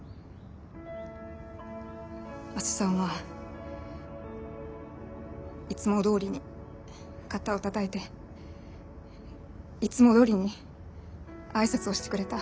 阿瀬さんはいつもどおりに肩をたたいていつもどおりに挨拶をしてくれた。